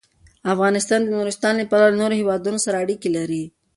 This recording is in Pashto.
افغانستان د نورستان له پلوه له نورو هېوادونو سره اړیکې لري.